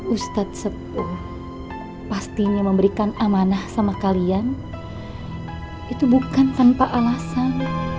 ustadz sepuh pastinya memberikan amanah sama kalian itu bukan tanpa alasan